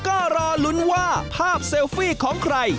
ก็รอลุ้นว่าภาพเซลฟี่ของใคร